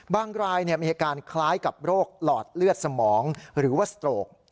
บางรายมีอาการคล้ายกับโรคหลอดเลือดสมองหรือว่าสโตรก